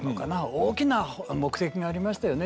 大きな目的がありましたよね